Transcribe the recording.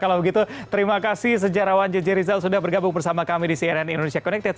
kalau begitu terima kasih sejarawan jj rizal sudah bergabung bersama kami di cnn indonesia connected